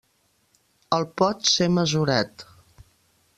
El Pot ser mesurat.